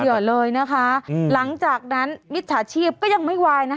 เป็นเหยื่อเลยนะคะอืมหลังจากนั้นมิตรสาชีพก็ยังไม่วายน่ะ